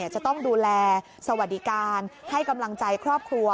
จะต้องดูแลสวัสดิการให้กำลังใจครอบครัว